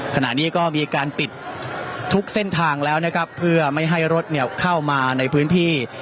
ขณะนี้ก็มีการปิดทุกเส้นทางแล้วนะครับเพื่อไม่ให้รถเข้ามาในพื้นที่